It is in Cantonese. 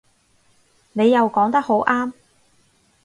你又講得好啱